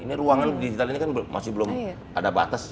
ini ruangan digital ini kan masih belum ada batas